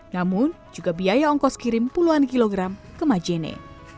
namun juga biaya ongkos kirim puluhan kilogram ke majene